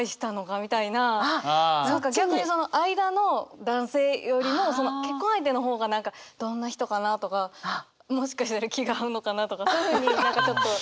逆にその間の男性よりも結婚相手の方が何かどんな人かなとかもしかしたら気が合うのかなとかそういうふうに何かちょっと。